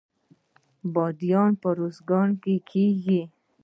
بادیان په ارزګان کې کیږي